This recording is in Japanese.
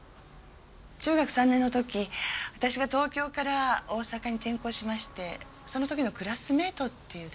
中学３年の時私が東京から大阪に転校しましてその時のクラスメートっていうだけで。